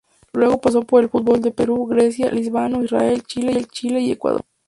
Luego pasó por el fútbol de Perú, Grecia, Líbano, Israel, Chile y Ecuador.